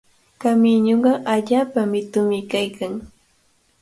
Kamiñuqa allaapa mitumi kaykan.